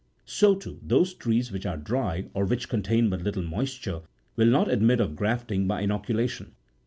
So, too, those trees which are dry, or which contain but little moisture, will not admit of grafting by inoculation.